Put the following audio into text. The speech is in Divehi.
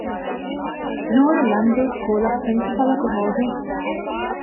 ނ. ލަންދޫ ސްކޫލަށް ޕްރިންސިޕަލަކު ހޯދުން